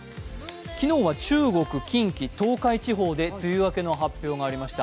昨日は中国・近畿・東海地方で梅雨明けの発表がありました。